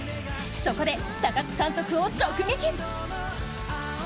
そこで高津監督を直撃。